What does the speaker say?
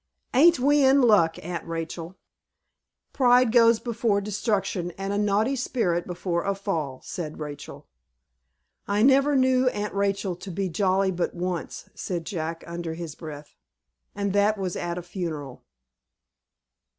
Ain't we in luck, Aunt Rachel?" "'Pride goes before destruction, and a haughty spirit before a fall,'" said Rachel. "I never knew Aunt Rachel to be jolly but once," said Jack, under his breath; "and that was at a funeral."